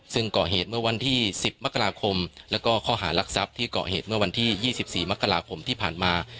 ซึ่งก่อเหตุเมื่อวันที่๑๐มกราคมแล้วก็ข้อหารักทรัพย์ที่เกาะเหตุเมื่อวันที่๒๔มกราคมที่ผ่านมา